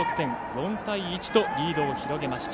４対１とリードを広げました。